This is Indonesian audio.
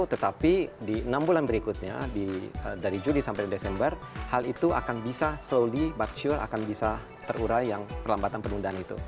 tetapi di enam bulan berikutnya dari juni sampai desember hal itu akan bisa slowly butsure akan bisa terurai yang perlambatan penundaan itu